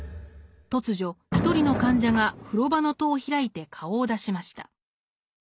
突如一人の患者が風呂場の戸を開いて顔を出しました。